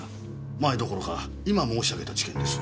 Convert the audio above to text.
マエどころか今申し上げた事件です。